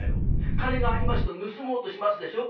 「金がありますと盗もうとしますでしょ？